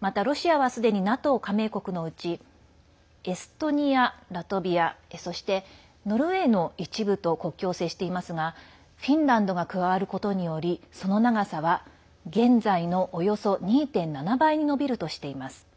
またロシアは、すでにＮＡＴＯ加盟国のうちエストニア、ラトビアそしてノルウェーの一部と国境を接していますがフィンランドが加わることによりその長さは現在のおよそ２．７倍に伸びるとしています。